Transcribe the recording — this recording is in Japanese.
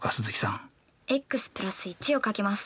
ｘ＋１をかけます。